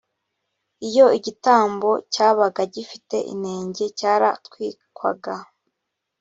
iyo igitambo cyabaga gifite inenge cyaratwikwaga